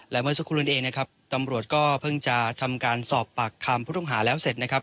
และเมื่อสักครู่นั้นเองนะครับตำรวจก็เพิ่งจะทำการสอบปากคำผู้ต้องหาแล้วเสร็จนะครับ